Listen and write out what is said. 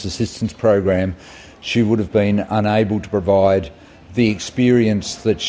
tapi tanpa sokongan yang dia dapat dari program bantuan krismas